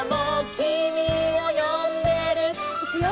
「君をよんでる」いくよ！